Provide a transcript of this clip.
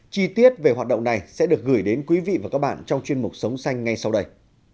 chi tiết về hoạt động này sẽ được gửi đến quý vị và các bạn trong chuyên mục sống xanh ngay sau đây